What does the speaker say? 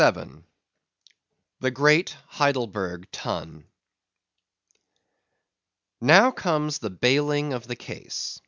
The Great Heidelburgh Tun. Now comes the Baling of the Case.